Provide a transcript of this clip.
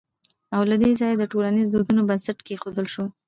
او له دې ځايه د ټولنيزو دودونو بنسټ کېښودل شو